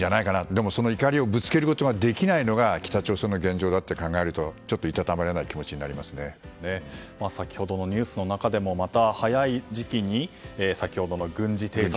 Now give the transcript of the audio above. でも、その怒りをぶつけることができないのが北朝鮮の現状だと考えるとちょっといたたまれない気持ちに先ほどのニュースの中でもまた早い時期に先ほどの軍事偵察